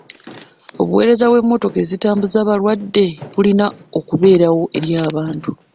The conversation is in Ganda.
Obuweereza bw'emmotoka ezitambuza balwadde bulina okubeerawo eri abantu.